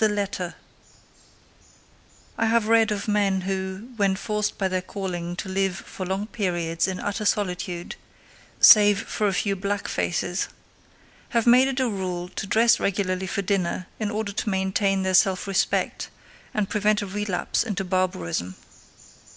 The Letter I have read of men who, when forced by their calling to live for long periods in utter solitude—save for a few black faces—have made it a rule to dress regularly for dinner in order to maintain their self respect and prevent a relapse into barbarism.